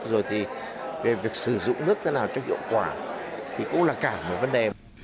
rồi thì về việc sử dụng nước thế nào cho hiệu quả thì cũng là cả một vấn đề